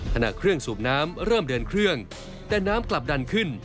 ขณะเครื่องสูบน้ำเริ่มเดินเครื่องแต่น้ำกลับดันขึ้น